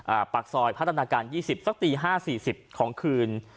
อ่าปรักซอยพัฒนาการ๒๐สักตี๕๔๐ของคืน